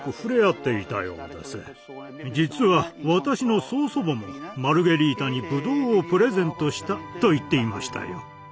実は私の曾祖母もマルゲリータにぶどうをプレゼントしたと言っていましたよ。